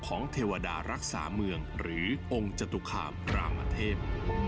เทวดารักษาเมืองหรือองค์จตุคามรามเทพ